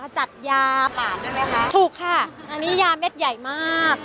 จัดยาถูกค่ะอันนี้ยาเม็ดใหญ่มาก